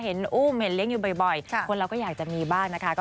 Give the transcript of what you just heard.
เห็นอู่มหรือเห็นเลี้ยงไปบ่อยแต่คนเราก็อยากจะมีบ้างนะคะ